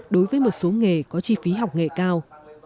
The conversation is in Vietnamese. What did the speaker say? đối với một số nghề có chi phí học nghệ cao